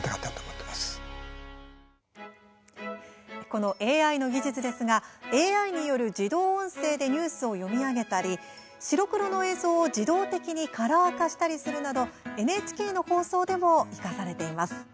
このＡＩの技術ですがＡＩによる自動音声でニュースを読み上げたり白黒の映像を自動的にカラー化したりするなどＮＨＫの放送でも生かされています。